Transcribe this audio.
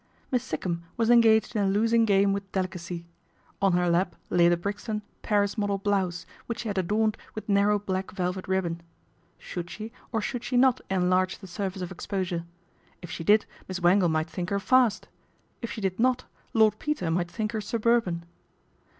Miss Sikkum was engaged hi a losing game with delicacy. On her lap lay the Brixton " Paris model blouse," which she had adorned with narrow black velvet ribbon. Should she or should she not enlarge the surface of exposure ? If she did Miss Wangle might think her fast ; if she did not Lord Peter might think her suburban.